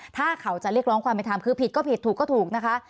ถ้าเขาจะเรียกร้องความเป็นธรรมคือผิดก็ผิดถูกก็ถูกนะคะ